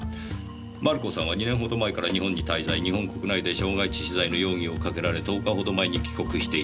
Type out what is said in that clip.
「マルコさんは２年ほど前から日本に滞在」「日本国内で傷害致死罪の容疑をかけられ１０日ほど前に帰国していた」